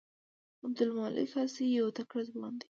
عبدالمالک عاصي یو تکړه ځوان دی.